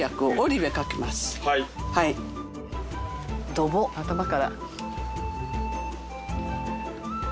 「ドボッ」「頭から」